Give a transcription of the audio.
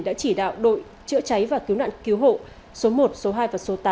đã chỉ đạo đội chữa cháy và cứu nạn cứu hộ số một số hai và số tám